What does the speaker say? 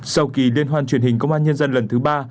sau kỳ liên hoan truyền hình công an nhân dân lần thứ ba